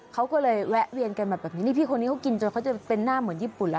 เขาก็เลยแวะเวียนกันแบบนี้นี่พี่คนนี้เขากินจนเขาจะเป็นหน้าเหมือนญี่ปุ่นแล้ว